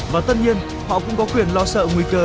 và tất nhiên họ cũng có quyền lo sợ nguy cơ